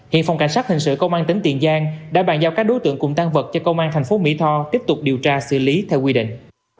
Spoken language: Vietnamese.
hiện phòng cảnh sát hình sự công an tỉnh tiền giang đã bàn giao các đối tượng cùng tan vật cho công an thành phố mỹ tho tiếp tục điều tra xử lý theo quy định